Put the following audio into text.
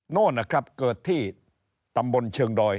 โน่นนะครับเกิดที่ตำบลเชิงดอย